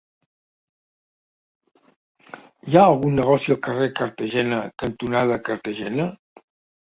Hi ha algun negoci al carrer Cartagena cantonada Cartagena?